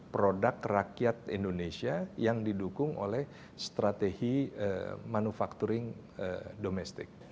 produk rakyat indonesia yang didukung oleh strategi manufacturing domestik